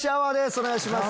お願いします。